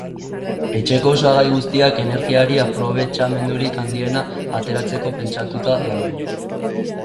Etxeko osagai guztiak energiari aprobetxamendurik handiena ateratzeko pentsatuta daude.